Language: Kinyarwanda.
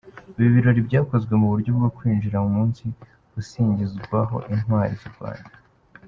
Ibi birori byakozwe mu buryo bwo kwinjira mu munsi usingizwaho Intwari z’u Rwanda.